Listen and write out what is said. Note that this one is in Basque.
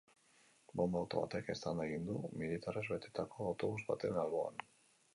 Bonba-auto batek eztanda egin du militarrez betetako autobus baten alboan.